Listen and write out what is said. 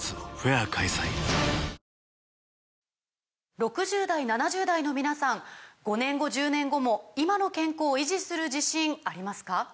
６０代７０代の皆さん５年後１０年後も今の健康維持する自信ありますか？